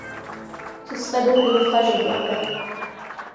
Ce serait donc le naufragé dit Harbert